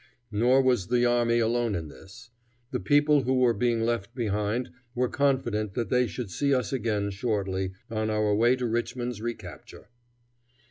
Nor was the army alone in this. The people who were being left behind were confident that they should see us again shortly, on our way to Richmond's recapture.